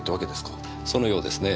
そのようですね。